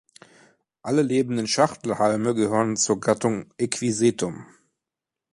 Alle lebenden Schachtelhalme gehören zur Gattung „Equisetum“.